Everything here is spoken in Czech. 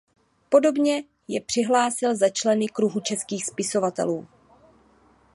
Podobně je přihlásil za členy "Kruhu českých spisovatelů".